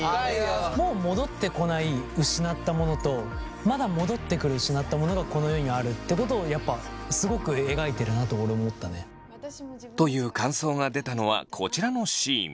もう戻ってこない失ったものとまだ戻ってくる失ったものがこの世にあるってことをやっぱすごく描いてるなと俺思ったね。という感想が出たのはこちらのシーン。